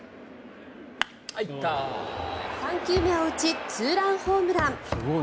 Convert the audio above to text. ３球目を打ちツーランホームラン。